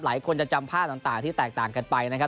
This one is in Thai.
หลายคนจะจำภาพต่างที่แตกต่างกันไปนะครับ